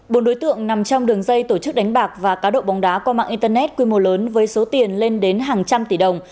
bốn đối tượng nằm trong đường dây tổ chức đánh bạc và cá độ bóng đá qua mạng internet quy mô lớn với số tiền lên đến hàng trăm tỷ đồng